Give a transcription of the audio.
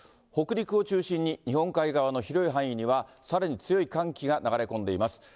北陸を中心に、日本海側の広い範囲にはさらに強い寒気が流れ込んでいます。